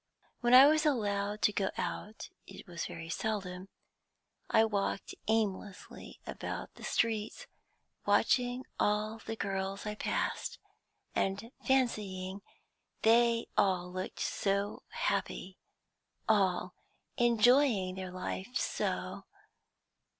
When I was allowed to go out it was very seldom I walked aimlessly about the streets, watching all the girls I passed, and fancying they all looked so happy, all enjoying their life so.